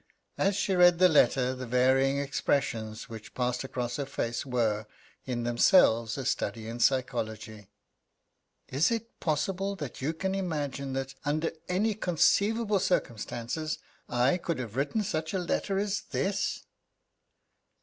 As she read the letter the varying expressions which passed across her face were, in themselves, a study in psychology. "Is it possible that you can imagine that, under any conceivable circumstances, I could have written such a letter as this?"